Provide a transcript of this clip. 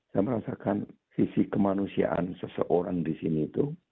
saya merasakan sisi kemanusiaan seseorang di sini itu